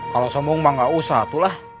kalau sombong mang gak usah